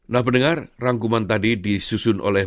nah pendengar rangkuman tadi disusun oleh